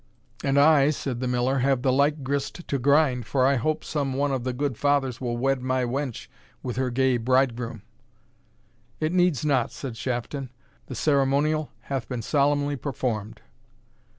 "And I," said the Miller, "have the like grist to grind; for I hope some one of the good fathers will wed my wench with her gay bridegroom." "It needs not," said Shafton; "the ceremonial hath been solemnly performed."